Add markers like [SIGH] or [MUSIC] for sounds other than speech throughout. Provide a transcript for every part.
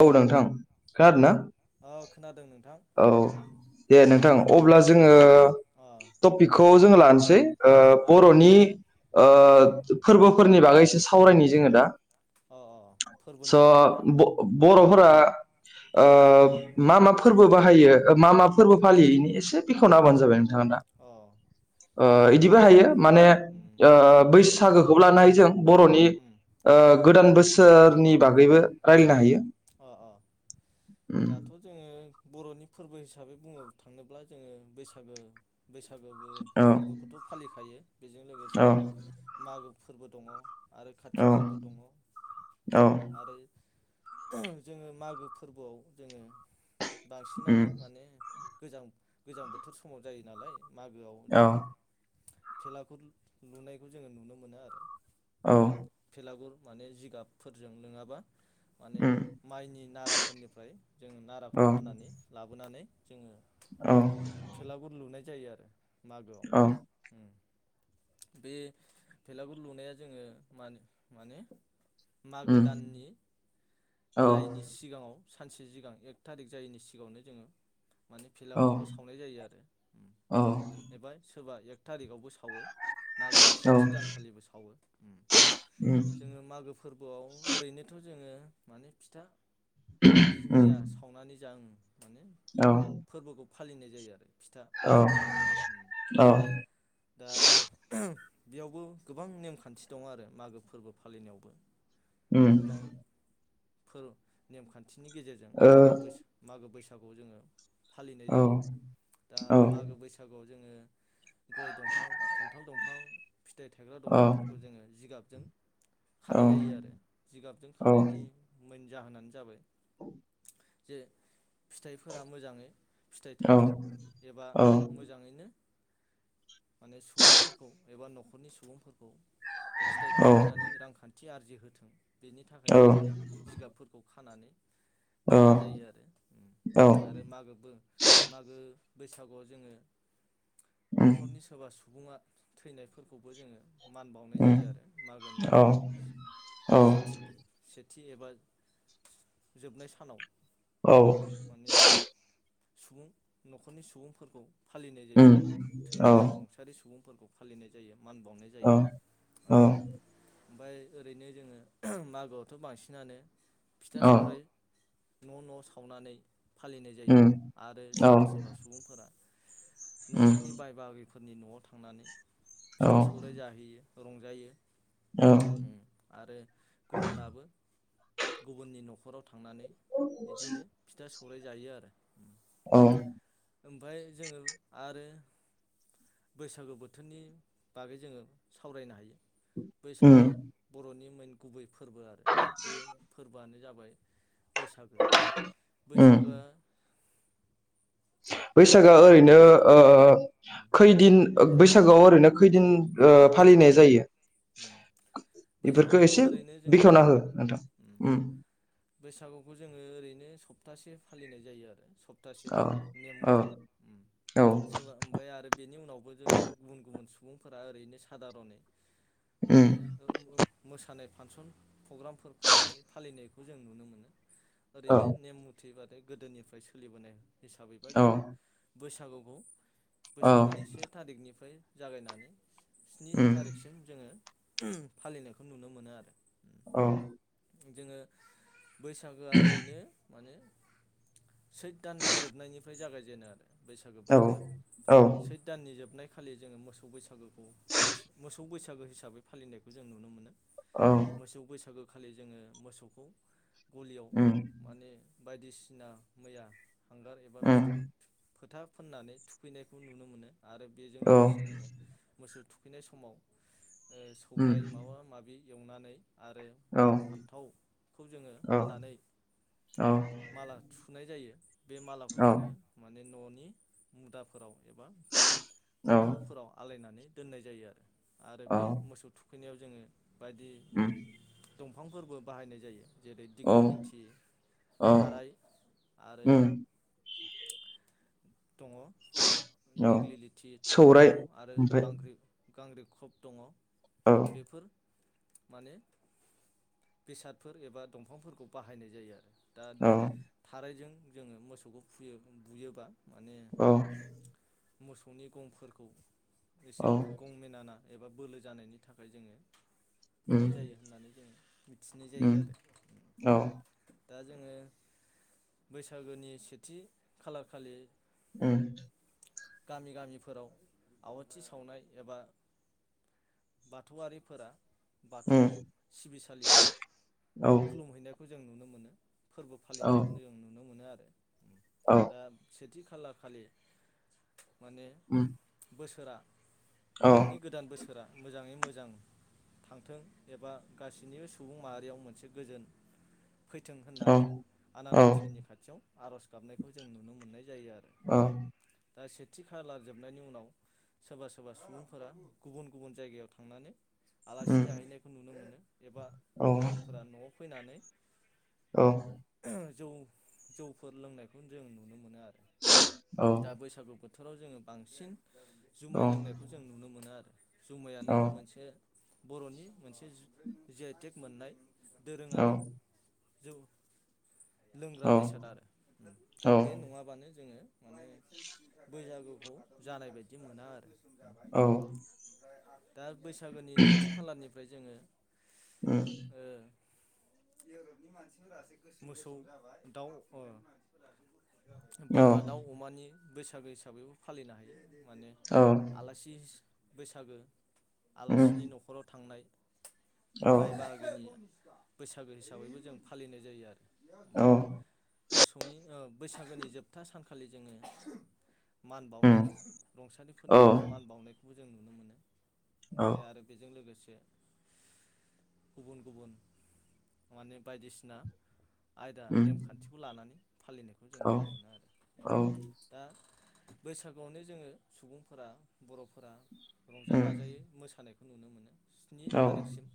औ नोंथां खोनादोंना ओ खोनादों नोंथां औ उम दे नोंथां अब्ला जोङो अ टपिकखौ जोङो लानोस है ओ अ अ बर'नि ओ उम फोरबोफोरनि बागैस सावरायनि जोङो दा अ अ फोरबोनि बागैना स' बर'फोरा उम मा मा फोर्बो बाहायो मा मा फोर्बो फालियो एसे बेखेवना होब्लानो जाबाय अ ओ जोंथ' बिदिबो हायो माने उम ओ बैसागो बैसागोखौ लानो हायो जों बर'नि उम अ अ गोदान बोसोरनि बागैबो उम रायलायनो अ हायो ज बर'नि फोरबो हिसाबै बुंनो थाङोब्ला जोङो बैसागो बैसागोबो औ फोर्बोखौथ' फालिखायो बेजों औ लोगोसे मागो फोर्बो दङ आरो खाथि औ फोरबो दङ औ आरो जोङो मागो फोरबोआव जोङो बांसिनानो उम माने गोजां गोजां बोथोर समाव जायो नालाय मागोआव औ जोङो फेलागुर लुनायखौ जोङो नुनो मोनो आरो औ फेलागुर माने जिगाबफोरजों नोङाबा माने उम माइनि नाराफोरनिफ्राय जों औ नाराखौ हानानै लाबोनानै जोङो औ फेलागुर लुनाय जायो आरो मागोआव औ बे भेलागुर लुनाया जोङो मान माने मागो उम दाननि औ जायिनि सिगाङाव सानसे सिगां एक थारिक जायैनि सिगाङावनो जोङो माने औ भेलागुरखौ सावनाय जायो आरो औ एबा सोरबा एक थारिकआवबो सावो मागोनि औ सेथि दानखालिबो सावो उम जोङो मागो फोरबोआव ओरैनोथ' जोङो माने फिथा बायदि उम मैया सावनानै जायो औ फालिनाय जायो आरो फिथा औ सावनानै औ दा बेयावबो गोबां नेमखान्थि दङ आरो मागो फोरबो फालिनायावबो। उम गोबां फोर नेमखान थिनि गेजेरजों ओ मागो बैसो मागो बैसो थाखौ जोङो फालिनाय औ जायो औ दा मागो बैसागुआव जोङो गय दंफां खान्थाल दंफां फिथाइ थायाग्रा दंफांफोरखौ जोङो जिगाब जों खानाय जायो आरो जिगाबजों खानायनि मो जाहोनानो जाबाय औ जे फिथाइफोरा मोजाङै फिथाइ थाइथों एबा मोजाङैनो माने सुबुंफोरखौ एबा नखरनि सुबुंफोरखौ फिथाइ थायहोनानै रांखान्थि थि आरजिहोथों बेनि थाखायनो औ जोङो उम जिगाबफोरखौ खानानै दोननाय जायो आरो आरो मागोबो मागो बैसागुआव जोङो नखरनि सोरबा सुबुङा थैनायफोरखौबो जोङो। मान बावनाय उम जायो आरो मागोनि औ औ सेथि थि एबा जोबनाय सानाव औ माने सुबुं नखरनि सुबुंफोरखौ फालिनाय उम औ उम औ उम जायो आरो औ। थावसारि सुबुंफोरखौ फालिनाय जायो। मान बावनाय जायो औ। ओमफ्राय ओरैनो जोङो मागोआवथ बांसिनानो। फिथा सौराइ। न' न' सावनानै फालिनाय जायो आरो सोरबा सोरबा सुबुंफोरा न'खरनि बाय बागै फोरनि न'आव थांनानै फिथा सौराइ जाहैयो। रंजायो। औ। उम आरो गुबुनाबो गुबुननि न'खराव थांनानै। बिदिनो फिथा स सौराय जायो आरो। औ। ओमफ्राय जोङो आरो बैसागु बोथोरनि बागै जोङो सावरायनो हायो। बैसागआ। बरनि मोन गुबै फोरबो आरो बे फोरबोआनो जाबाय बैसागो औ उम उम बैसागोआ आ। बैसागआ ओरैनो ओ खैदिन बैसागोआव ओरैनो खैदिन फालिनाय जायो। बेफोरखौ बैसागुथ एसे ओरैनो जोङो बेखेवना हो नोंथां उम बैसागुखौ जोङो ओरैनो सप्तासे फालिनाय जायो आरो। सप्तासे औ नेम औ मथै औ सोरबा ओमफ्राय आरो बेनि उनावबो जों गुबुन गुबुन। सुबुंफोरा ओरैनो सादारनै माने उम मोसानाय। फांसन प्रग्रामफोर खुंनानै फालिनायखौ जों नुनो मोनो। औ ओरैनो नेम मुथि बाद गोदोनिफ्राय सोलिबोनाय हिसाबैबा औ जोङो बैसागुखौ बैसागोनि से थारिखनिफ्राय जागायनानै स्नि उम थारिखसिम जोङो फालिनायखौ नुनो मोनो आरो औ जोङो बैसागोआ ओरैनो माने सैथ दाननि जोबनायनिफ्राय जागायजेनो आरो बैसागो औ बोथोरा औ सैथ दाननि जोबनाय खालि जोङो मोसौ बैसागु मो मोसौ बैसा गु हिसाबै फालिनायखौ जों नुनो मोनो औ मोसौ बैसागु खालि जोङो मोसौखौ गलियाव उम माने बायदिसिना मैया हांगार एबा फिथ' उम फोथा फुननानै थुखैनायखौ नुनो मोनो आरो बेजों औ लोगोसे जोङो मोसौ थुखैनाय समाव ओ उम सौराय माबा माबि एवनानै आरो औ लाव फान्थावखौ जोङो औ हानानै औ माला थु नाय जायो बे मालाखौ औ जोङो माने न'नि नि मुदाफोराव एबा औ न'फोराव आलायनानै दोननाय जायो आरो आरो बे औ मोसौ थु खैनायाव जोङो बायदि उम दंफांफोरबो बाहायनाय जायो जेरै औ दिग्लि लिथि औ थाराय आरो उम दङ औ दिग्लि लिथि थाराय दङ सौराय आरो ओमफ्राय बांग्रि गांग्रिं खब दङ' औ बेफोर माने बेसादफोर एबा दंफांफोरखौ बाहायनाय जायो आरो दा औ थारायजों जोङो मोसौखौ फुयो बुयोबा माने औ मोसौनि गंफोरखौ एसे औ गंमेनाना एबा बोलो जानायनि थाखाय जोङो बुनाय उम जायो होननानै जों मिथिनाय जायो उम आरो औ दा जोङो बैसागोनि सेथि खालार खालि उम गामि गामिफोराव आवाथि सावनाय एबा बाथौआरिफोरा बाथौ उम सिबिसालियाव औ खुलुमहैनायखौ ज जों नुनो मोनो फोरबो औ फालिनायखौनो जों नुनो मोनो आर औ दा सेथ थि खाला खालि माने उम बोसो सोरा औ बर'नि गोदान बोसो फोरा मोजाङै मोजां थांथों एबा गासैनिबो सुबुं माहारियाव मोनसे गोजोन फैथों औ होननानै आनान औ गसाइनि खाथियाव आर'ज गाबनायखौ जों नुनो मोननाय जायो आरो औ दा सेथि खालार जोबनायनि उनाव सोरबा सोरबा सुबुंफोरा गुबुन गुबुन जायगायाव थांनानै आलासि उम जाहैनायखौ नुनो मोनो एबा औ गुबुनफोरा न'आव फैनानै औ जौ जौफोर लोंनायखौ जों नुनो मोनो आर औ दा बैसागु बोथ थोराव जोङो बांसिन जुमाय औ उम लोंनायखौ जों नुनो मोनो आरो औ उम औ उम औ उम औ जुमायानो मोनसे बर'नि मोनसे जु जेआइटेक मोननाय दोरोङारि जौ लोंग्रा बेसाद आरो दा बे नङाबानो जोंङो माने बैसागु खौ जानाय बायदि मोना आरो औ दा बैसागोनि नैथि खालारनिफ्राय जोंङो उम [INAUDIBLE] मोसौ दाउ बोरमा दाउ अमानि बैसागो हिसाबैबो फालिनो हायो। माने आलासि बैसागो आलासिनि न'खराव थांनाय बाय बाहागिनि बैसागो हिसाबैबो जों फालिनाय जायो आरो। औ मोसौनि ओ बैसागोनि जोब था सानखालि जोंङो मान बावनाय उम रुंसारिफोरनिखौ मान बावनाय खौ जों नुनो मोनो। ओमफ्राय आरो बेजों लोगोसे गुबुन गुबुन माने बायदिसिना आयदा नेमखान्थिखौ लानानै फालिनायखौ जों नुनो मोनो आरो। औ दा बैसागुआवनो जोंङो सुबुंफोरा बर'फोरा रंजा बाजायै मोसानाय स्नि औ तारिखसिम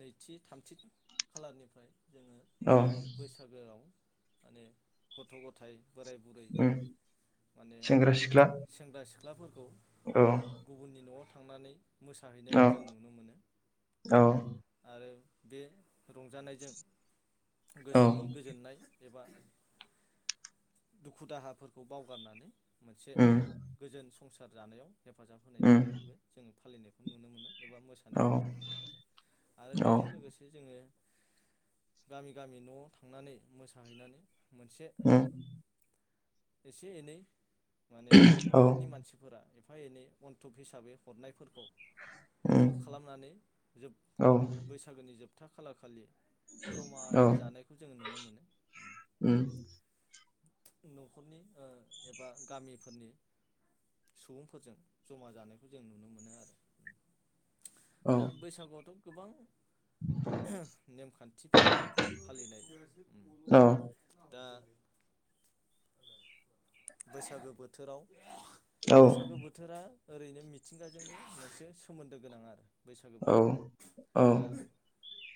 नैथि थामथि खालारनिफ्राय जोंङो औ बैसागोआव माने गथ' गथाय बोराय बुरै उम माने सेंग्रा सिख्ला सेंग्रा सि ख्लाफोर खौ औ गुबुननि न'आव [INAUDIBLE] मोसाहैनायखौ औ जों नुनो मोनो औ आरो बे रंजानायजों गोसोनि उम गोजोननाय एबा दुखु दाहाफोरखौ बावगारनानै मोनसे गोजोन [INAUDIBLE] [INAUDIBLE] उम औ औ [INAUDIBLE] [INAUDIBLE] गामि गामि न'आव थांनानै मोसाहैनानै उम [INAUDIBLE] एसे एनै [INAUDIBLE] औ एफा एनै अन्थब हिसाबै हरनायफोरखौ उम ज' खालामनानै जोब औ बैसागोनि जोब था खालार खालि औ जमायै जानायखौ जोङो नुनो मोनो उम [INAUDIBLE] औ दा बैसगोआवथ गोबां [INAUDIBLE] नेमखान्थिफोर दङ फालिनाय औ दा [INAUDIBLE] बैसागो बोथोराव औ बैसागो बोथोरा ओरैनो मिथिंगाजोंबो मोनसे सोमोन्दो गोनां आरो [INAUDIBLE] औ औ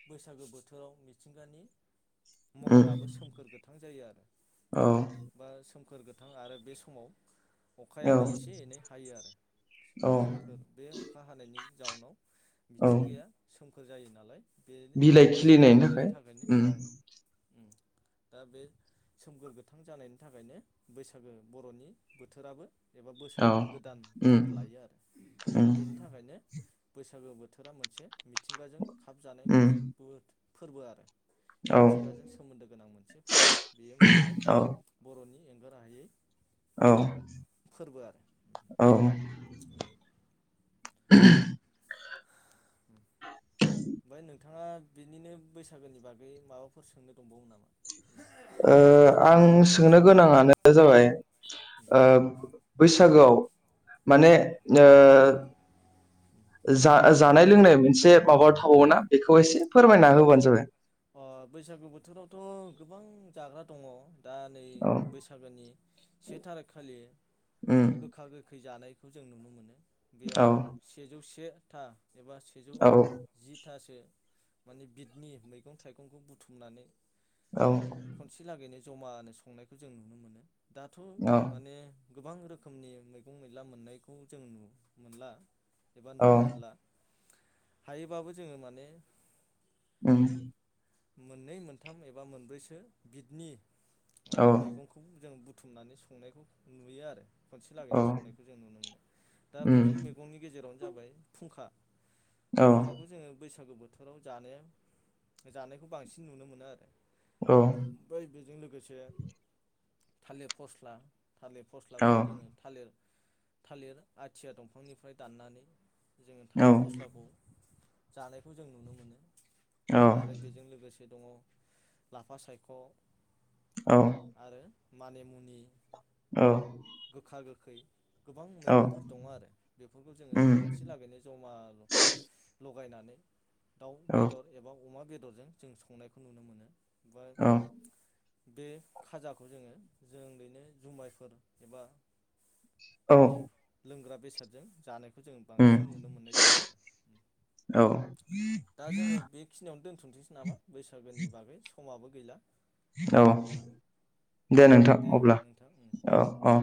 बैसागो बोथोराव मिथिंगानि उम महराबो सोमखोर गोथां जायो आरो औ बा सो खोर गोथां आरो बे समाव अखायाबो औ एसे एनै हायो आरो औ सोमखोर बे अखा हानायनि जाउनाव [INAUDIBLE] औ मिथिंगाया सोम खोर जायो नालाय बेनो बिलाइ सोमफोर खिलिनायनि जानायनि थाखाय थाखायनो उम ओं उम दा बे सोमखोर गो मोगथां जानायनि थाखायनो बैसागो बर'नि बोथोराबो एबा औ बोसोराबो गोदान उम महर लायो आरो दा उम बेनि थाखायनो बैसागो बोथोरा मोनसे मिथिंगाजों खाबजानाय उम मोनसे बोद फोरबो आरो औ मिथिंगाजों सोमोन्दो गोनां मोनसे फोरबो बेयो मोनसे औ बर'नि एंगार हायै औ फोरबो आरो औ [INAUDIBLE] [UNINTELLIGIBLE] ओमफ्राय नोंथाङा बिनिनो बैसागोनि बागै माबाफोर सोंनो दंबावो नामा? ओ आं सोंनो गोनाङानो जाबाय ओ बैसागोआव माने अ ओ जा जानाय लोंनाय मोनसे माबा थावोना बेखौ एसे फोरमायना होबानो जाबाय। अ बैसागु बोथोरावथ' गोबां जाग्रा दङ दा नै औ बैसागोनि से थारिख खालि उम गोखा गोखै जानाय बेखौ जों नुनो मोनो बेयाव औ सेजौ से आथा एबा सेजौ औ जिथासो माने बिदनि मैगं थाइगंखौ बुथुमनानै औ खनसे लागैनो जमानो संनायखौ जों नुनो मोनो दाथ' औ माने गोबां रोखोमनि मैगं मैला मोननायखौ जों नु मोनला एबा नुनो मोनला हायोबाबो जोङो माने उम मोननै मोनथाम एबा मोनब्रैसो बिदनि माने मैगंखौ जों बुथ बुथुमनानै संनायखौ नुयो आरो। खनसे लागैनो संनायखौ जों नुनो मोनो दा बेफोर मैगंनि गेजेराव जाबाय फुंखा फुंखाखौ जोङो बैसाग बैसागु बोथोराव जानो जानायखौ बांसिन नुनो मोनो आरो। ओमफ्राय बेजों लोगोसे थलिर फस्ला थालिर औ फस्लाखौबो जोंङो थालिर थालिर आथिया दंफांनिफ्राय दाननानै जोंङो थालिर फस्लाखौ जानायखौ जों नुनो मोनो। आरो बेजों लोगोसे दङ लाफा सायख आरो मानिमुनि औ। गोखा गोखै गोबां मैगंफोर दङ आरो बेफोरखौ जोंङो खनसे लागैनो जमा लगायनानै दाउ बेदर एबा अमा बेदरजों जों संनायखौ नुनो मोनो। बा औ। बे खाजाखौ जोंङो जों ओरैनो जुमायफोर एबा गुबुन लोंग्रा बेसादजों जानो जों बांसिन औ नुनो मोननाय जायो आरो औ दा जोंङो बेखिनियावनो दोन थसै नामा? बैसागोनि बागै समाबो गैला। औ। दे नोंथां अब्ला नोंथां उम दे। औ औ।